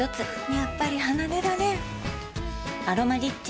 やっぱり離れられん「アロマリッチ」